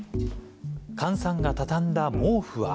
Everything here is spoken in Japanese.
菅さんが畳んだ毛布は。